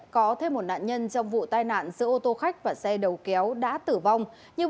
có thêm một nạn nhân trong vụ tai nạn giữa ô tô khách và xe đầu kéo đã tử vong